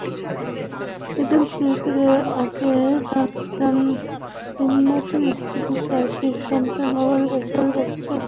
ঈদুল ফিতরের আগে জিন্নাতের স্ত্রী তাঁর শিশুসন্তানকে নিয়ে বাবার বাড়ি চলে যান।